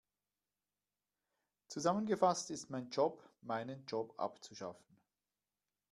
Zusammengefasst ist mein Job, meinen Job abzuschaffen.